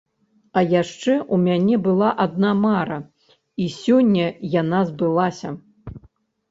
А яшчэ ў мяне была адна мара і сёння яна збылася.